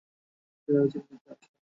বাকিরা পেছন দিক থেকে আসে।